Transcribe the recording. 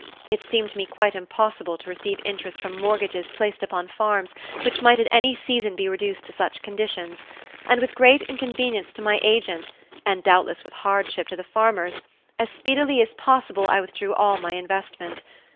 It seemed to me quite impossible to receive interest from mortgages placed upon farms which might at any season be reduced to such conditions, and with great inconvenience to my agent and doubtless with hardship to the farmers, as speedily as possible I withdrew all my investment.